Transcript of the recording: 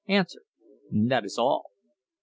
That is all. Q.